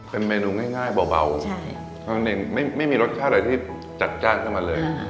เป็นเมนูง่ายเบาไม่มีรสชาติอะไรที่จัดเข้ามาเลย